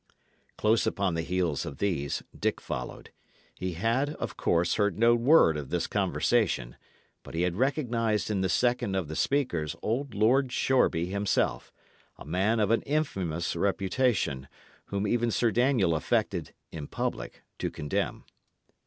Close upon the heels of these, Dick followed. He had, of course, heard no word of this conversation; but he had recognised in the second of the speakers old Lord Shoreby himself, a man of an infamous reputation, whom even Sir Daniel affected, in public, to condemn.